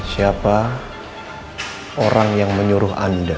siapa orang yang menyuruh anda